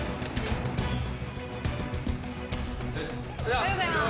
おはようございます。